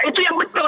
itu yang betul